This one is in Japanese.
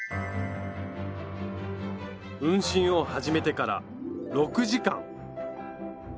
運針を始めてから６時間！